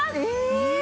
え！